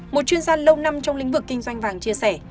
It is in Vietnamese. một chuyên gia lâu năm trong lĩnh vực kinh doanh vàng chia sẻ